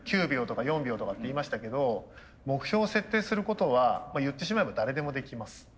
９秒とか４秒とかって言いましたけど目標を設定することは言ってしまえば誰でもできます。